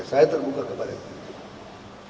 saya terbuka kepada kritik